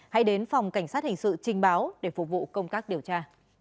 hãy đến phòng cảnh sát hình sự trình báo để phục vụ công tác điều tra